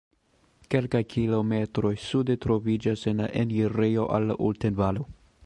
Kelkaj kilometroj sude troviĝas la enirejo al la Ulten-Valo.